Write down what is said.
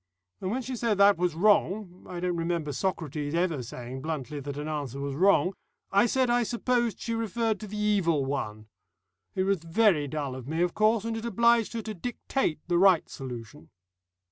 And when she said that was wrong I don't remember Socrates ever saying bluntly that an answer was wrong I said I supposed she referred to the Evil One. It was very dull of me, of course, and it obliged her to dictate the right solution.